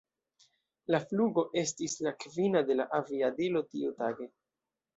La flugo estis la kvina de la aviadilo tiutage.